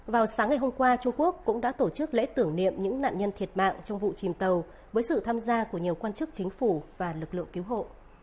vào sáng ngày hôm qua trung quốc cũng đã tổ chức lễ tưởng niệm những nạn nhân thiệt mạng trong vụ chìm tàu với sự tham gia của nhiều quan chức chính phủ và lực lượng cứu hộ